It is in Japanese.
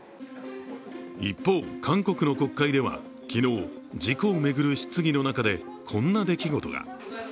一方、韓国の国会では昨日、事故を巡る質疑の中でこんな出来事が。